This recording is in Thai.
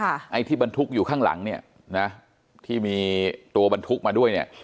ไอ้ที่บรรทุกอยู่ข้างหลังเนี่ยนะที่มีตัวบรรทุกมาด้วยเนี่ย